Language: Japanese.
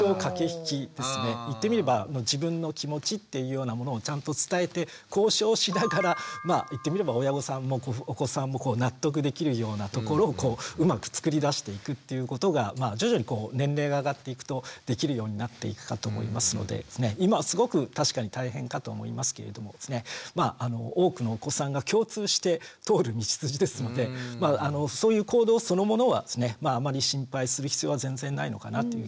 言ってみれば自分の気持ちっていうようなものをちゃんと伝えて交渉しながら言ってみれば親御さんもお子さんも納得できるようなところをうまくつくり出していくっていうことが徐々に年齢が上がっていくとできるようになっていくかと思いますので今はすごく確かに大変かと思いますけれどもまあ多くのお子さんが共通して通る道筋ですのでそういう行動そのものはですねあまり心配する必要は全然ないのかなという気はします。